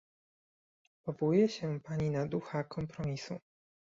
Powołuje się pani na ducha kompromisu